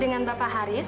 dengan bapak haris